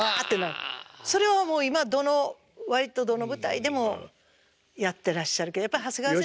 それをもう今どの割とどの舞台でもやってらっしゃるけどやっぱり長谷川先生。